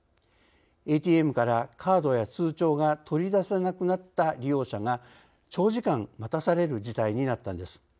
ＡＴＭからカードや通帳が取り出せなくなった利用者が長時間待たされる事態になったのです。